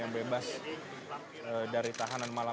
berbentuk dan contoh